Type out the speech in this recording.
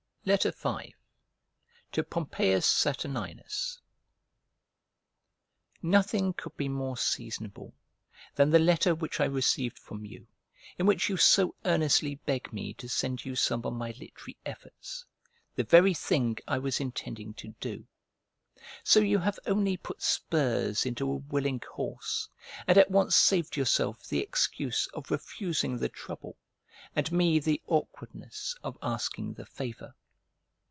V To POMPEIUS SATURNINUS NOTHING could be more seasonable than the letter which I received from you, in which you so earnestly beg me to send you some of my literary efforts: the very thing I was intending to do. So you have only put spurs into a willing horse and at once saved yourself the excuse of refusing the trouble, and me the awkwardness of asking the favour.